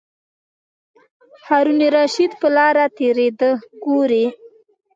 هارون الرشید په لاره تېرېده ګوري.